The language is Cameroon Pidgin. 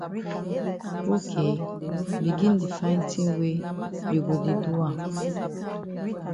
Ok begin di find tin wey you go di do am.